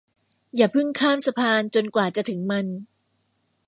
อย่าพึ่งข้ามสะพานจนกว่าจะถึงมัน